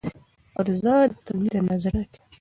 عرضه د تولید اندازه ټاکي.